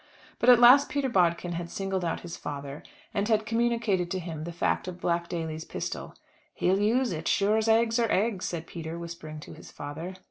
But at last Peter Bodkin had singled out his father, and had communicated to him the fact of Black Daly's pistol. "He'll use it, as sure as eggs are eggs," said Peter whispering to his father.